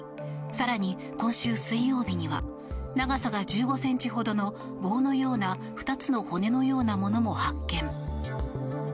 更に今週水曜日には長さが１５ｃｍほどの棒のような２つの骨のようなものも発見。